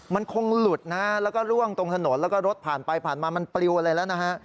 มันคงหลุดนะแล้วก็ร่วงตรงถนนแล้วก็รถผ่านไปผ่านมามันปลิวอะไรแล้วนะฮะ